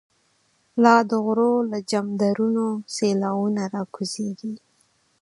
لا دغرو له جمدرونو، سیلاوونه ر ا کوزیږی